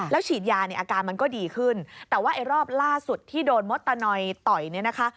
ฉีดยาเนี่ยอาการมันก็ดีขึ้นแต่ว่าไอ้รอบล่าสุดที่โดนมดตะนอยต่อยเนี่ยนะคะ